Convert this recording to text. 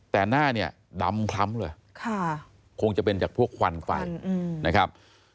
แต่หน้าเนี่ยดำคล้ำเลยคงจะเป็นจากพวกควันไฟนะครับ